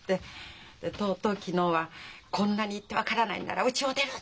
とうとう昨日は「こんなに言って分からないならうちを出る！」